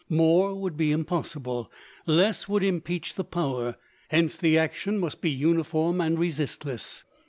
More would be impossible: less would impeach the power; hence, the action must be uniform and resistless.